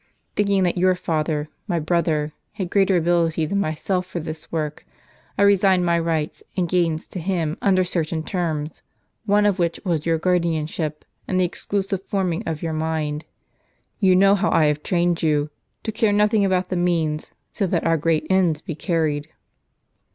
Thinking that your father, my brother, had greater ability than myself for this work, I resigned my rights m and gains to him upon certain terms ; one of which was your guardianship, and the exclusive forming of your mind. You know how I have trained you, to care nothing about the means, so that our great ends be carried."